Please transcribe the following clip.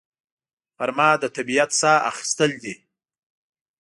غرمه د طبیعت ساه اخیستل دي